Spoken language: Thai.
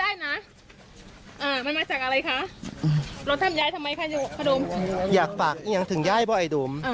อิงอยังถึงยายร์บ้งไอ้ดูม